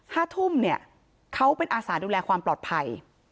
ห้าทุ่มเนี่ยเขาเป็นอาสาดูแลความปลอดภัย